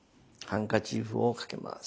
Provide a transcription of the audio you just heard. ハンカチーフをかけます。